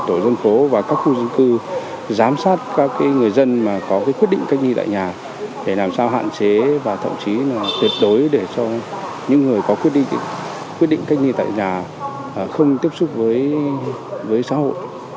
tổ dân phố và các khu dân cư giám sát các người dân mà có quyết định cách ly tại nhà để làm sao hạn chế và thậm chí là tuyệt đối để cho những người có quyết định quyết định cách ly tại nhà không tiếp xúc với xã hội